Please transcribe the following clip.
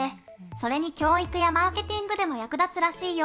それに教育やマーケティングでも役立つらしいよ。